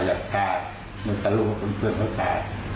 ต่อหน้ากาดอย่างตาหลับกับคุณเพื่อนครับ